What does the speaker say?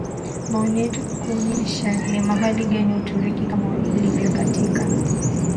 maoni yetu kukuonyesha ni mahali gani Uturuki Kama ilivyo katika